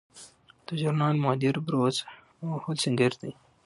د ژورنال مدیر بروس هولسینګر دی.